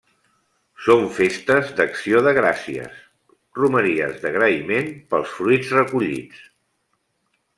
Són festes d'acció de gràcies, romeries d'agraïment pels fruits recollits.